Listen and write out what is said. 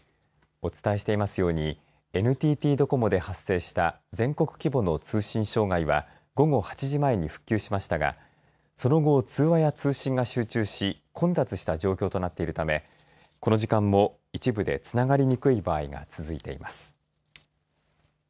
お伝えしていますようにＮＴＴドコモで発生した全国規模の通信障害は午後８時前に復旧しましたがその後、通話や通信が集中し混雑した状況となっているためこの時間も一部でつながりにくい場合が続いています。